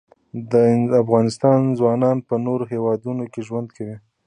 د افغانستان ځوانان په نورو هیوادونو کې ژوند کوي.